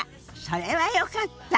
それはよかった。